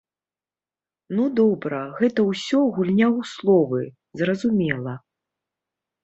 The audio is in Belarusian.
Ну добра, гэта ўсё гульня ў словы, зразумела.